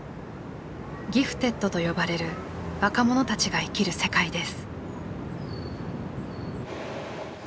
「ギフテッド」と呼ばれる若者たちが生きる世界です。